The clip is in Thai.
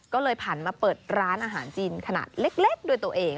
ก็เลยผ่านมาเปิดร้านอาหารจีนขนาดเล็กด้วยตัวเอง